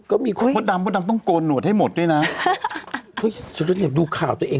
ก็มีคนมดดำมดดำต้องโกนหนวดให้หมดด้วยนะฉันจะเก็บดูข่าวตัวเอง